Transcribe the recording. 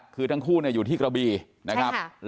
คือทั้งคู่อยู่ที่กระบีนะครับ